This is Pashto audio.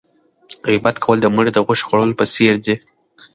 غیبت کول د مړي د غوښې خوړلو په څېر دی.